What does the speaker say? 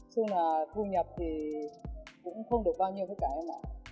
chứ là thu nhập thì cũng không được bao nhiêu cái cả em ạ